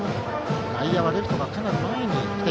外野はレフトがかなり前。